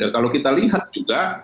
kalau kita lihat juga